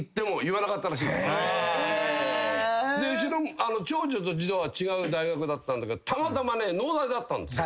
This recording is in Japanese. うちの長女と次女は違う大学だったんだけどたまたまね農大だったんですよ